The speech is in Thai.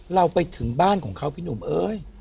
เราไปถึงบ้านของเขาพี่หนุ่มเอ้ย